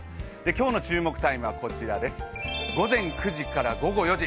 今日の注目タイムは、午前９時から午後４時。